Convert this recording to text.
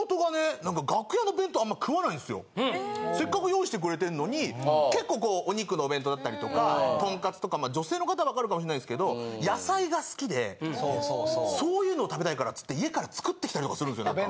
せっかく用意してくれてるのに結構こうお肉のお弁当だったりとかとんかつとかまあ女性の方わかるかもしれないんですけど野菜が好きでそういうのを食べたいからつって家から作ってきたりとかするんですよなんか。